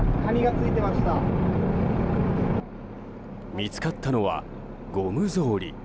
見つかったのはゴム草履。